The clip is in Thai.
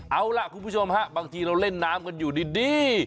เอาล่ะคุณผู้ชมฮะบางทีเราเล่นน้ำกันอยู่ดี